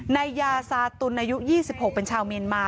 นายยาซาตุลอายุ๒๖เป็นชาวเมียนมา